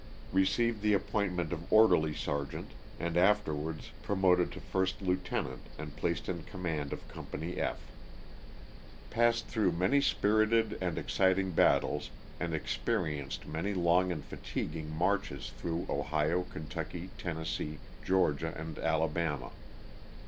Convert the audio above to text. Received the appointment of orderly ser geant, and afterwards promoted to first lieutenant and placed in command of Company F, 31 242 LOSS OF THE SULTAKA. Passed through many spirited and exciting battles and experienced many long and fatiguing marches through Ohio, Kentucky, Tennessee, Georgia and Ala bama.